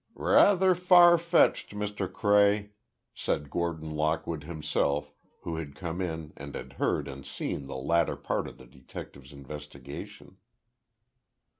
"Rather far fetched, Mr. Cray," said Gordon Lockwood himself, who had come in and had heard and seen the latter part of the detective's investigation.